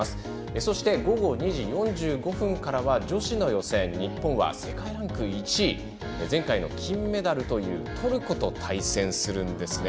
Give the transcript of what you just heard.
そして、午後２時４５分からは女子の予選日本は世界ランク１位前回の金メダルというトルコと対戦するんですね。